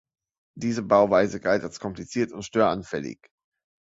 Diese Bauweise galt als kompliziert und störanfällig.